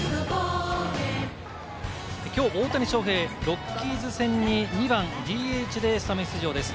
きょう大谷翔平、ロッキーズ戦に２番・ＤＨでスタメン出場です。